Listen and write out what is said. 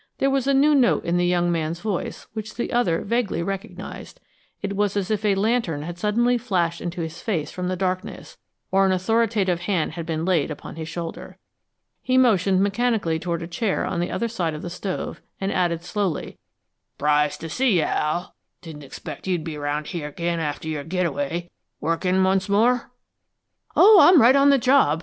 There was a new note in the young man's voice which the other vaguely recognized; it was as if a lantern had suddenly flashed into his face from the darkness, or an authoritative hand been laid upon his shoulder. He motioned mechanically toward a chair on the other side of the stove, and added slowly: "S'prised to see you, Al. Didn't expect you'd be around here again after your get away. Workin' once more?" "Oh, I'm right on the job!"